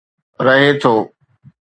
رهي ٿو.